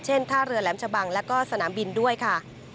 ท่าเรือแหลมชะบังแล้วก็สนามบินด้วยค่ะ